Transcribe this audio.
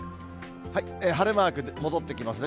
晴れマーク、戻ってきますね。